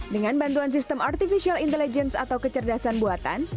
dengan bantuan sistem artificial intelligence atau kecerdasan buatan